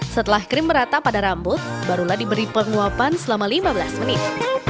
setelah krim merata pada rambut barulah diberi penguapan selama lima belas menit